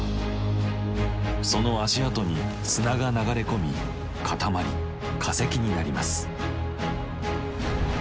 その足跡に砂が流れ込み固まり化石になります。